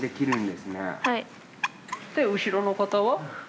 で後ろの方は？